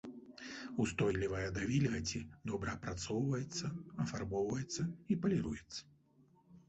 Устойлівая да вільгаці, добра апрацоўваецца, афарбоўваецца і паліруецца.